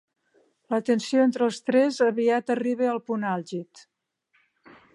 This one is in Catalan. La tensió entre els tres aviat arriba al punt àlgid.